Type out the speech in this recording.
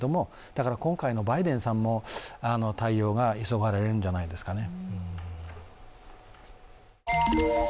だから今回のバイデンさんも対応が急がれるんじゃないですかね。